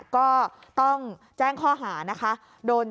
ก็ต้องแจ้งข้อหานะคะ